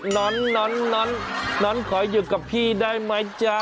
น้อนน้อนขออยู่กับพี่ได้มั้ยจ๊ะ